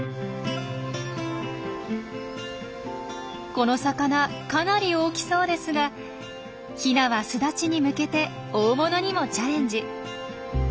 この魚かなり大きそうですがヒナは巣立ちに向けて大物にもチャレンジ。